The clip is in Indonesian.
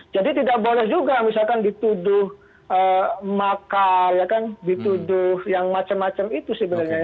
jadi tidak boleh juga misalkan dituduh makar ya kan dituduh yang macam macam itu sebenarnya